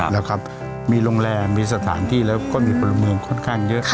แล้วครับมีโรงแรมมีสถานที่แล้วก็มีพลเมืองค่อนข้างเยอะ